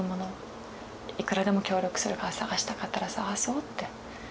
いくらでも協力するから捜したかったら捜そうって。